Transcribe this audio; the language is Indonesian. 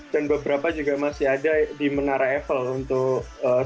dan beberapa juga masih ada di menara eiffel untuk menang